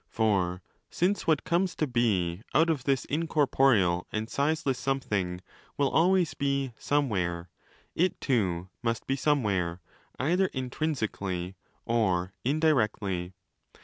For since what comes to be out of this incorporeal and sizeless something will always be 'somewhere', it too must be 'somewhere '— either intrinsically or indirectly.